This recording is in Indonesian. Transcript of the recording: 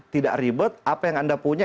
tidak ribet apa yang anda punya